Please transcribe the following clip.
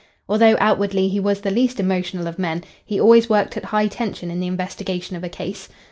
Although outwardly he was the least emotional of men, he always worked at high tension in the investigation of a case.